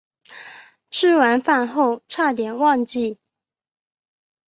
吃完饭后差点忘了